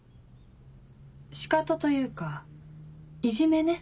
シカトというかいじめね。